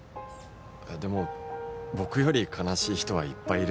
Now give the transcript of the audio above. でも僕より悲しい人はいっぱいいるし。